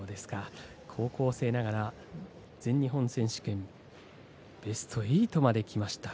高校生ながら全日本選手権ベスト８まできました。